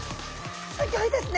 すギョいですね！